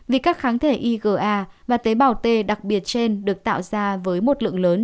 vì các kháng thể iga và tế bào t đặc biệt trên được tạo ra với một lượng lớn